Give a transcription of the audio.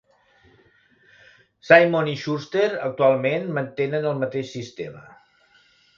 Simon i Schuster actualment mantenen el mateix sistema.